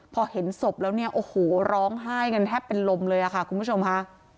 พอเห็นศพแล้วเนี่ยโอ้โหร้องไห้กันแทบเป็นลมเลยค่ะคุณผู้ชมค่ะ